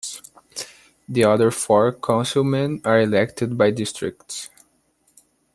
The other four Councilmen are elected by districts.